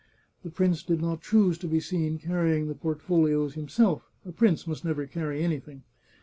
The prince did not choose to be seen carrying the portfolios him self— a prince must never carry anything.